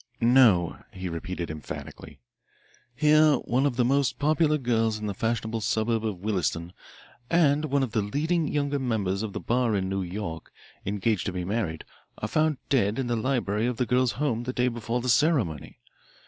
"No," he repeated emphatically. "Here one of the most popular girls in the fashionable suburb of Williston, and one of the leading younger members of the bar in New York, engaged to be married, are found dead in the library of the girl's home the day before the ceremony.